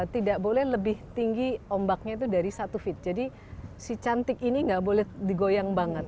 tidak boleh lebih tinggi ombaknya itu dari satu feet jadi si cantik ini nggak boleh digoyang banget